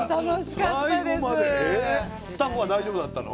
スタッフは大丈夫だったの？